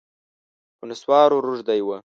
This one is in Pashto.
په نسوارو روږدی و